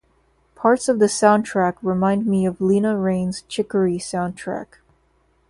Parts of the soundtrack remind me of Lena Raine's Chicory soundtrack.